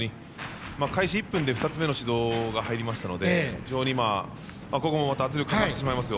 開始１分で２つ目の指導が入りましたので非常にここもまた圧力になってしまいますよ。